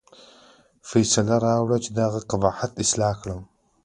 فیصله راوړه چې دغه قباحت اصلاح کړم.